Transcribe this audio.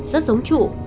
rất giống trụ